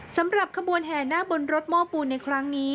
สำหรับขบวนแห่นาคบนรถโม้ปูนในครั้งนี้